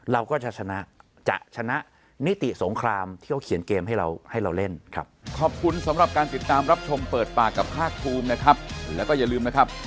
เราก็จะชนะหนิติสงครามที่เขาเขียนเกมให้เราเล่นครับ